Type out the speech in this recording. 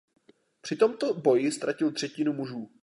Při tomto boji ztratil třetinu mužů.